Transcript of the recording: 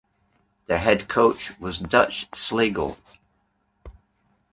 Their head coach was Dutch Slagle.